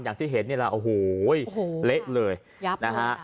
อย่างที่เห็นนี่แหละโอ้โหเละเลยยับนะฮะ